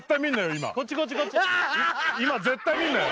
今今絶対見んなよ